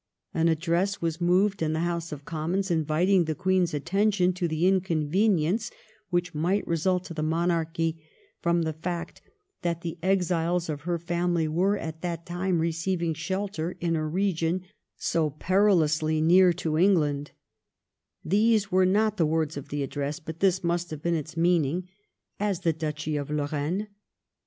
An Address was moved in the House of Commons inviting the Queen's attention to the inconvenience which might result to the monarchy from the fact that the exiles of her family were at that time receiving shelter in a region so perilously near to England — these were not the words of the Address, but this must have been its meaning — as the Duchy of Lorraine.